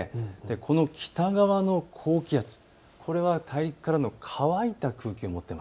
この北側の高気圧、これは大陸からの乾いた空気です。